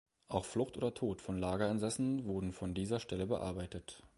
Auch Flucht oder Tod von Lagerinsassen wurden von dieser Stelle bearbeitet.